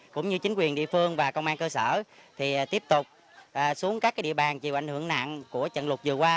cũng như chính quyền địa phương và công an cơ sở thì tiếp tục xuống các địa bàn chịu ảnh hưởng nặng của trận lụt vừa qua